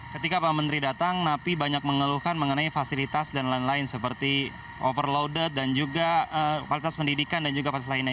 ketika pak menteri datang napi banyak mengeluhkan mengenai fasilitas dan lain lain seperti overloaded dan juga kualitas pendidikan dan juga fasilitas lainnya